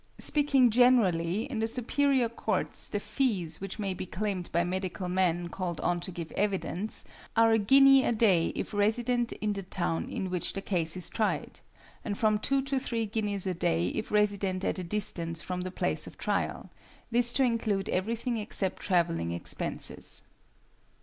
Speaking generally, in the Superior Courts the fees which may be claimed by medical men called on to give evidence are a guinea a day if resident in the town in which the case is tried, and from two to three guineas a day if resident at a distance from the place of trial, this to include everything except travelling expenses.